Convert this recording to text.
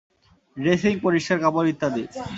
Dressing, পরিষ্কার কাপড় ইত্যাদি।